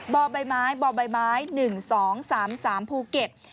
บบ๑๒๓๓ภูเก็ต